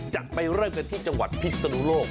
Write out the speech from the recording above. จะไปเริ่มกันที่จังหวัดพิศนุโลก